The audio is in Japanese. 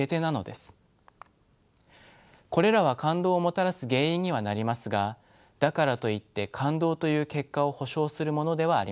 これらは感動をもたらす原因にはなりますがだからといって感動という結果を保証するものではありません。